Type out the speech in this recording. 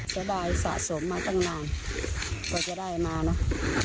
ใช่สะดายสะสมมาตั้งนานกว่าจะได้มานะ